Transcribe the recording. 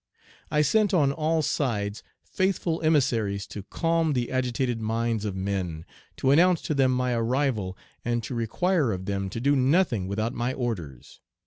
I sent on all sides faithful emissaries to calm the agitated minds of men; to announce to them my arrival, and to require of them to do nothing without my orders.